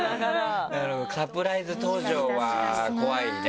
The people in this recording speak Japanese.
なるほどサプライズ登場は怖いね